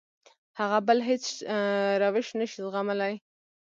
هغه بل هېڅ روش نه شي زغملی.